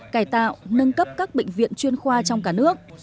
cải tạo nâng cấp các bệnh viện chuyên khoa trong cả nước